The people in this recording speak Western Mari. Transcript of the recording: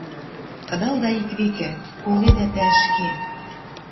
Кыдалда ик векӹ — коледа тӓ ӹшке